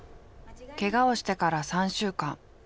ケガをしてから３週間。